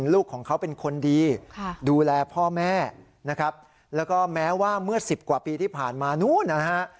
ลูกของเขาเป็นคนดีดูแลพ่อแม่นะครับแล้วก็แม้ว่าเมื่อ๑๐กว่าปีที่ผ่านมานู้นนะฮะ